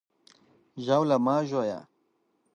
ژاوله مه ژویه!